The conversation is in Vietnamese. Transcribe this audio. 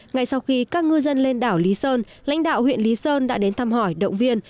ngay sau khi các ngư dân lên đảo lý sơn lãnh đạo huyện lý sơn đã đến thăm hỏi động viên